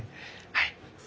はい。